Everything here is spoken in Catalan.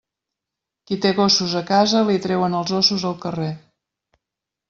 Qui té gossos a casa, li treuen els ossos al carrer.